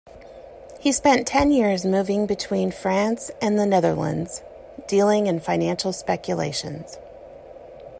He spent ten years moving between France and the Netherlands, dealing in financial speculations.